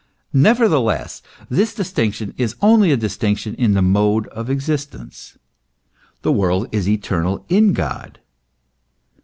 Nevertheless, this distinction is only a distinction in the mode of existence. The world is eternal in God.